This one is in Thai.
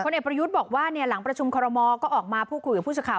คนเอกประยุทธ์บอกว่าเนี่ยหลังประชุมคอรมอก็ออกมาผู้คุยกับผู้ชาวข่าว